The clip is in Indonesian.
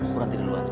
bu ranti duluan